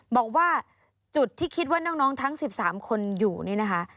บอกว่าจุดที่คิดว่าน้องทั้ง๑๓คนอยู่นี่นะคะ